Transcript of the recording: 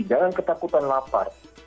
jangan ketakutan lapar